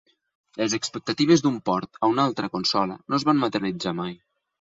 Les expectatives d'un port a una altra consola no es van materialitzar mai.